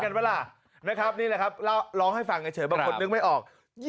ไหมล่ะนะครับนี่แหละครับร้องให้ฟังเฉยบางคนนึกไม่ออก